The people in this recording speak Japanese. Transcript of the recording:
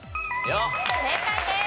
正解です。